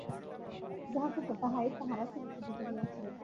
যাহা সত্য, তাহাই তাঁহারা সোজাসুজি বলিয়াছেন।